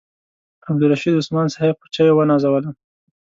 عبدالرشید عثمان صاحب په چایو ونازولم.